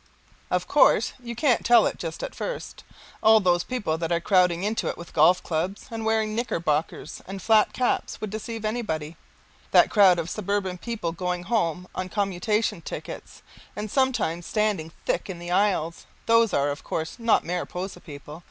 Of course you can't tell it just at first. All those people that are crowding into it with golf clubs, and wearing knickerbockers and flat caps, would deceive anybody. That crowd of suburban people going home on commutation tickets and sometimes standing thick in the aisles, those are, of course, not Mariposa people.